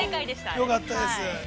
よかったです。